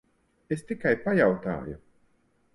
Es tikai pajautāju.